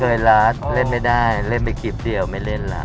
เคยละเล่นไม่ได้เล่นไปคลิปเดียวไม่เล่นละ